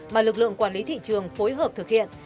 mà lực lượng quản lý thị trường phối hợp thực hiện